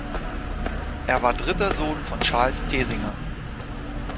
Er war dritter Sohn von Charles Thesiger.